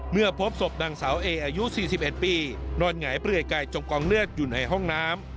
เมื่อพบศพนางสาวเออายุ๔๑ปีนอนหงายเปลือยกายจมกองเลือดอยู่ในห้องน้ำ